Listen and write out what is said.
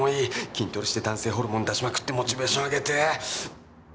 筋トレして男性ホルモン出しまくってモチベーション上げてえ。